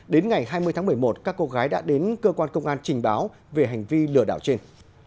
đến ngày hai mươi tháng một mươi một các cô gái đã đến cơ quan công an trình báo về hành vi lừa đảo trên